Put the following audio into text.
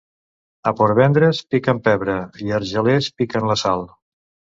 A Portvendres piquen pebre i a Argelers piquen la sal.